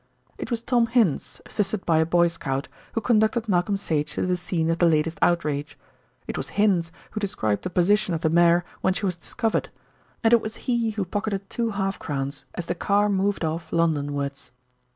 It was Tom Hinds, assisted by a boy scout, who conducted Malcolm Sage to the scene of the latest outrage. It was Hinds who described the position of the mare when she was discovered, and it was he who pocketed two half crowns as the car moved off Londonwards.